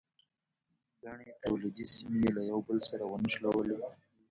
ګڼې تولیدي سیمې یې له یو بل سره ونښلولې.